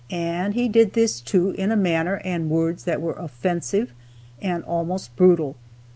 And he did this, too, in a manner and words that were offensive and almost brutal.